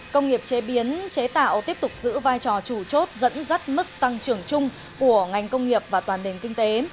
công nghiệp chế biến chế tạo tiếp tục giữ vai trò chủ chốt dẫn dắt mức tăng trưởng chung của ngành công nghiệp và toàn nền kinh tế